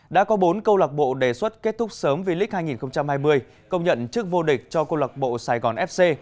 đã có bốn câu lạc bộ đề xuất kết thúc sớm v league hai nghìn hai mươi công nhận chức vô địch cho câu lạc bộ sài gòn fc